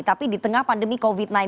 tapi di tengah pandemi covid sembilan belas